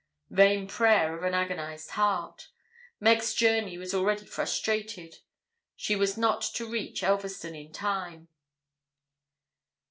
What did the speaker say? Vain prayer of an agonised heart! Meg's journey was already frustrated: she was not to reach Elverston in time.